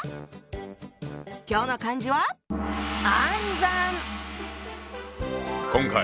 今日の漢字は「暗算」！